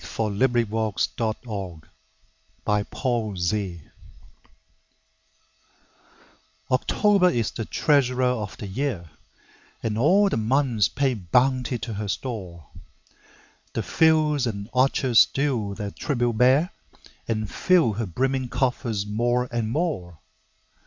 Paul Laurence Dunbar October OCTOBER is the treasurer of the year, And all the months pay bounty to her store: The fields and orchards still their tribute bear, And fill her brimming coffers more and more.